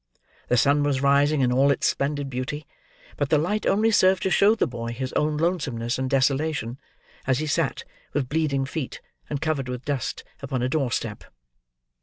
The sun was rising in all its splendid beauty; but the light only served to show the boy his own lonesomeness and desolation, as he sat, with bleeding feet and covered with dust, upon a door step.